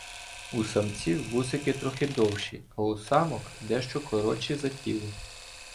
У самців вусики трохи довші, а у самок дещо коротші за тіло.